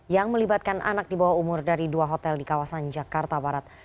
yang melibatkan anak di bawah umur dari dua hotel di kawasan jakarta barat